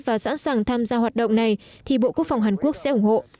và sẵn sàng tham gia hoạt động này thì bộ quốc phòng hàn quốc sẽ ủng hộ